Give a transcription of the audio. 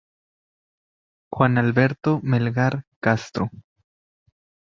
Juan Alberto Melgar Castro.